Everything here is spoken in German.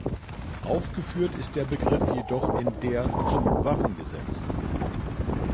Aufgeführt ist der Begriff jedoch in der zum Waffengesetz.